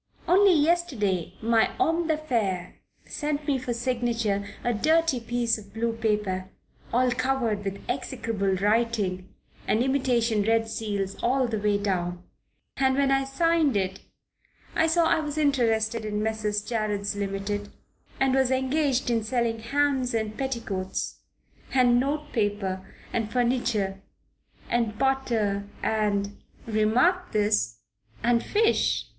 Only yesterday my homme d'affaires sent me for signature a dirty piece of blue paper all covered with execrable writing and imitation red seals all the way down, and when I signed it I saw I was interested in Messrs. Jarrods Limited, and was engaged in selling hams and petticoats and notepaper and furniture and butter and remark this and fish.